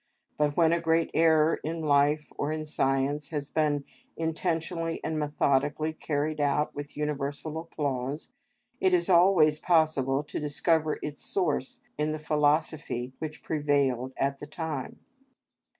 But when a great error in life or in science has been intentionally and methodically carried out with universal applause, it is always possible to discover its source in the philosophy which prevailed at the time.